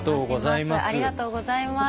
ありがとうございます。